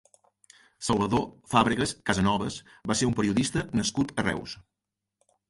Salvador Fàbregues Casanoves va ser un periodista nascut a Reus.